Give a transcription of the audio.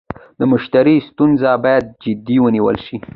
د مشتري ستونزه باید جدي ونیول شي.